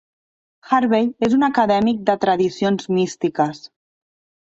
Harvey és un acadèmic de tradicions místiques.